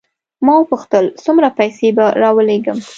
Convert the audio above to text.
ما وپوښتل څومره پیسې به راولېږم.